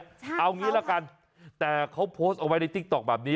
เอางี้ละกันแต่เขาโพสต์เอาไว้ในติ๊กต๊อกแบบนี้